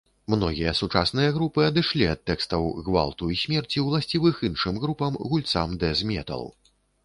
Многія сучасныя групы адышлі ад тэкстаў гвалту і смерці, уласцівых іншым групам, гульцам дэз-метал.